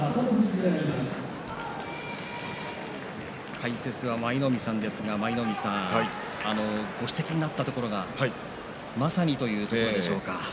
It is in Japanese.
解説は舞の海さんですがご指摘になったところがまさにというところでしょうか。